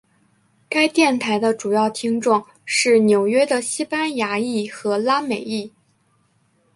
该电台的主要听众是纽约的西班牙裔和拉美裔。